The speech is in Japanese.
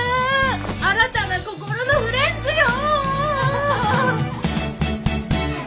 新たな心のフレンズよ。